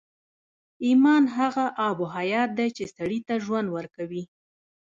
ايمان هغه آب حيات دی چې سړي ته ژوند ورکوي.